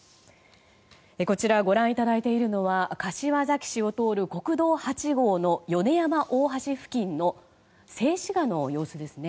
こちら、ご覧いただいているのは柏崎市を通る国道８号の米山大橋付近の静止画の様子ですね。